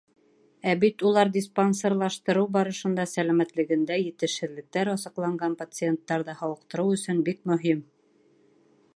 Ә бит улар диспансерлаштырыу барышында сәләмәтлегендә етешһеҙлектәр асыҡланған пациенттарҙы һауыҡтырыу өсөн бик мөһим.